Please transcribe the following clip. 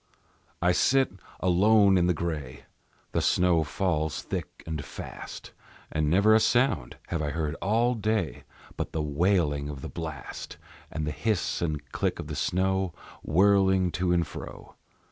I sit alone in the gray, The snow falls thick and fast, And never a sound have I heard all day But the wailing of the blast, And the hiss and click of the snow, whirling to and fro.